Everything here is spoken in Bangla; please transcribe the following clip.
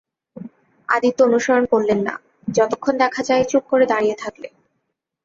আদিত্য অনুসরণ করলে না, যতক্ষণ দেখা যায় চুপ করে দাঁড়িয়ে দেখলে।